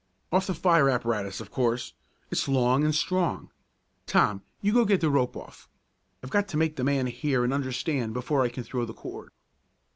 "Off the fire apparatus, of course. It's long and strong. Tom, you go get the rope off; I've got to make the man hear and understand before I can throw the cord."